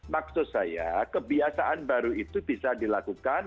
maksud saya kebiasaan baru itu bisa dilakukan